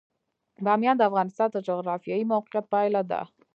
بامیان د افغانستان د جغرافیایي موقیعت پایله ده.